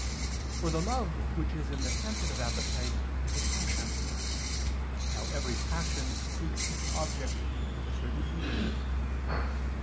For the love which is in the sensitive appetite is a passion. Now every passion seeks its object with a certain eagerness.